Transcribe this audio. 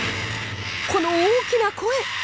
この大きな声！